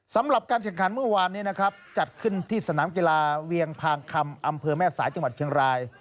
สำหรับการแข่งขันเมื่อวานนี้นะครับจัดขึ้นที่สนามกีฬาเวียงพางคำอำเภอแม่สายจังหวัดเชียงราย